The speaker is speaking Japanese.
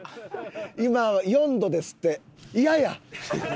今４度ですって。